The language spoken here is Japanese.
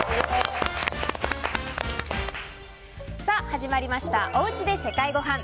始まりましたおうちで世界ごはん。